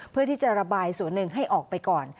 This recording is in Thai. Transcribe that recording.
เพื่อที่จะระบายส่วนหนึ่งให้ออกไปก่อน